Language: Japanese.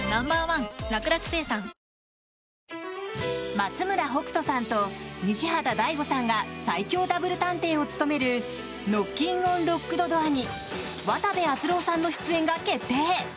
松村北斗さんと西畑大吾さんが最強ダブル探偵を務める「ノッキンオン・ロックドドア」に渡部篤郎さんの出演が決定。